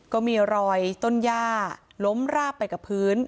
ก็มีรอยต้นย่าล้มราบไปกับพื้น